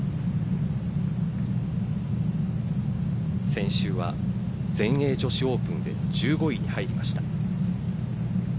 先週は全英女子オープンで１５位に入りました。